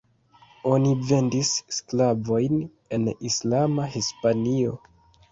Oni vendis sklavojn al islama Hispanio.